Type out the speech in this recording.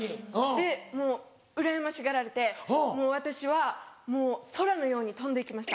でもううらやましがられてもう私は空のように飛んで行きました。